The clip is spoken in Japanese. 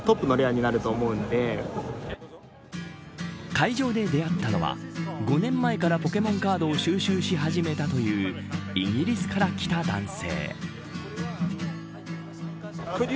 会場で出会ったのは５年前からポケモンカードを収集し始めたというイギリスから来た男性。